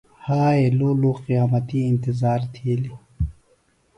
ہائے لُو لُو قیامتی انتظار تِھیلیۡ۔